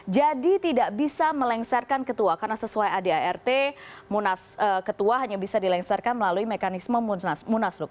jadi tidak bisa melengsarkan ketua karena sesuai adart ketua hanya bisa dilengsarkan melalui mekanisme munaslup